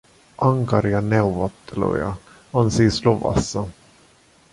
Ankaria neuvotteluja on siis luvassa.